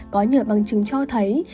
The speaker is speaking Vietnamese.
có nhiều bằng chứng cho thấy